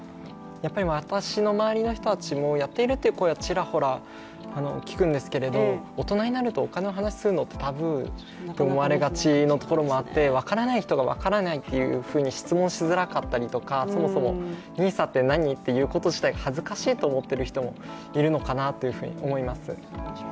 私の周りの人たちもやっているという人もちらほら聞くんですけれど大人になると、お金の話をするのがタブーと思われがちなところもあって分からない人が、分からないというふうに質問しづらかったりとか、そもそもＮＩＳＡって何？と言うこと自体恥ずかしいと思ってる人もいるのかなというふうに思います。